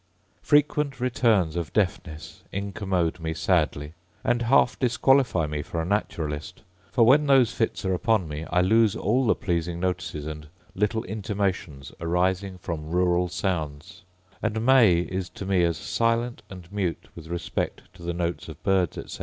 Frequent returns of deafness incommode me sadly, and half disqualify me for a naturalist; for, when those fits are upon me, I lose all the pleasing notices and little intimations arising from rural sounds: and May is to me as silent and mute with respect to the notes of birds, etc.